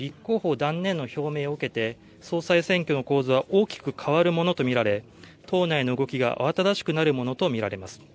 断念の表明を受けて総裁選挙の構図は大きく変わるものと見られ党内の動きが慌ただしくなるものと見られます。